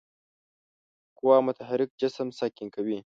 قوه متحرک جسم ساکن کوي.